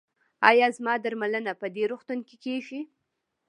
ایا زما درملنه په دې روغتون کې کیږي؟